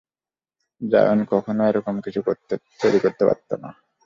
জায়ন কখনও এরকম কিছু তৈরী করতে পারত না।